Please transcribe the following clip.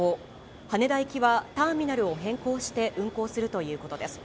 羽田行きはターミナルを変更して運航するということです。